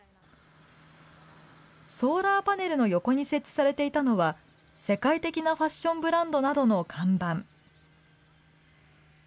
ソーラーパネルの横に設置されていたのは、世界的なファッションブランドなどの看板。